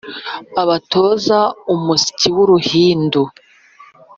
Abatoza umusyi w'uruhindu